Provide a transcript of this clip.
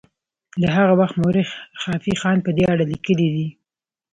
د هغه وخت مورخ خافي خان په دې اړه لیکلي دي.